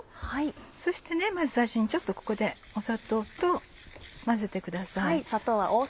そしてまず最初にここで砂糖と混ぜてください。